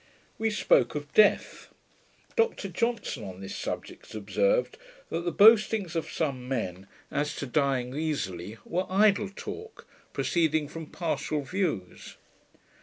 We spoke of death. Dr Johnson on this subject observed, that the boastings of some men, as to dying easily, were idle talk, proceeding from partial views.